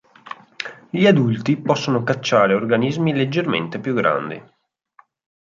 Gli adulti possono cacciare organismi leggermente più grandi.